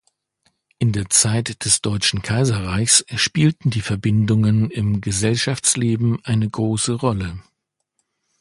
In der Zeit des Deutschen Kaiserreichs spielten die Verbindungen im Gesellschaftsleben eine große Rolle.